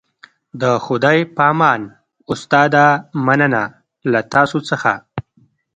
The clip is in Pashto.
د خدای په امان استاده مننه له تاسو څخه